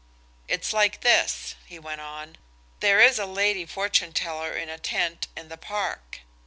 "It's like this," he went on, "there is a lady fortune teller in a tent in the park."